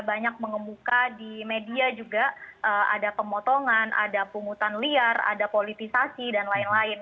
banyak mengemuka di media juga ada pemotongan ada pungutan liar ada politisasi dan lain lain